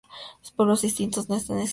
Los pueblos extintos no están incluidos.